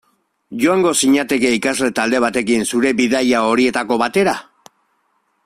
Joango zinateke ikasle talde batekin zure bidaia horietako batera?